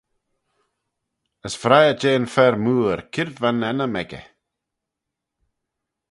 As vrie eh jeh yn fer mooar cre'd va'n ennym echey.